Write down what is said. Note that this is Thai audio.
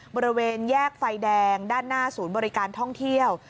บริเวณแยกไฟแดงด้านหน้าศูนย์บริการท่องเที่ยว